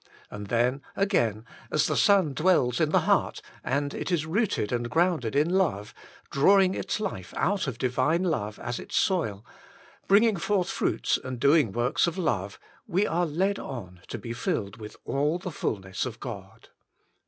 And then, again, as the Son dwells in the heart, and it is rooted and grounded in love, drawing its life out of Divine love as its soil, bringing forth fruits and doing works of love, we are led on to be filled with all the fulness of God.